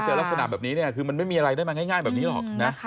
เจอลักษณะแบบนี้คือมันไม่มีอะไรได้มาง่ายแบบนี้หรอก